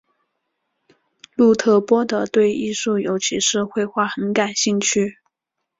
路特波德对艺术尤其是绘画很感兴趣。